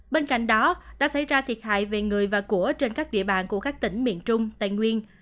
bên cạnh đó đã xảy ra thiệt hại về người và của trên các địa bàn của các tỉnh miền trung tây nguyên